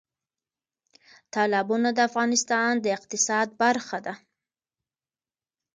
تالابونه د افغانستان د اقتصاد برخه ده.